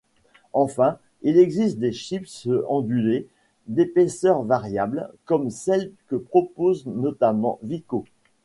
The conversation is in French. Enfin, il existe des chips ondulées d'épaisseur variable, comme celles que propose notamment Vico.